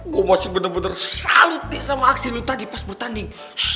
gue masih bener bener salut nih sama aksi lu tadi pas bertanding